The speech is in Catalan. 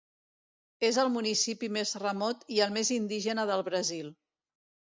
És el municipi més remot i el més indígena del Brasil.